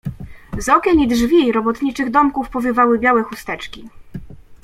"Z okien i drzwi robotniczych domków powiewały białe chusteczki."